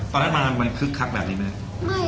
ตอนนั้นมันคึกคักแบบนี้ไหม